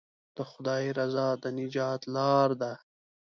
د خدای رضا د نجات لاره ده.